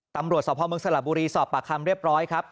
ตำรวจสภเมืองสระบุรีสอบปากคำเรียบร้อยครับ